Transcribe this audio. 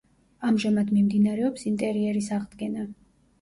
ამჟამად მიმდინარეობს ინტერიერის აღდგენა.